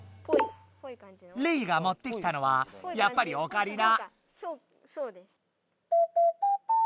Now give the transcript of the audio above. レイがもってきたのはやっぱりオカリナ。